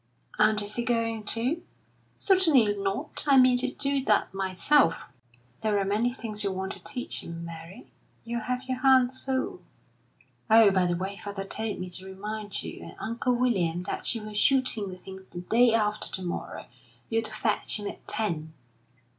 "And is he going to?" "Certainly not. I mean to do that myself." "There are many things you want to teach me, Mary. You'll have your hands full." "Oh, by the way, father told me to remind you and Uncle William that you were shooting with him the day after to morrow. You're to fetch him at ten."